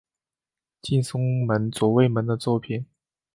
近松门左卫门的作品。